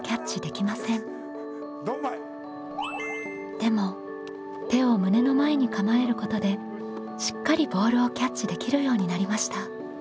でも手を胸の前に構えることでしっかりボールをキャッチできるようになりました。